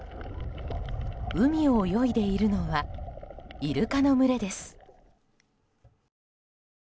海を泳いでいるのはイルカの群れです。